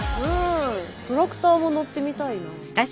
トラクターも乗ってみたいな。